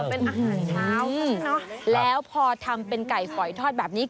เป็นอาหารเช้าแล้วพอทำเป็นไก่ฝอยทอดแบบนี้